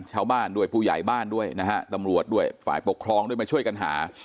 ชาวบ้านด้วยผู้ใหญ่บ้านด้วยนะฮะตำรวจด้วยฝ่ายปกครองด้วยมาช่วยกันหา